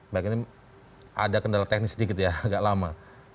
baik ini ada kendala teknis sedikit ya agak lama